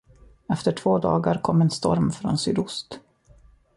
Efter två dagar kom en storm från sydost.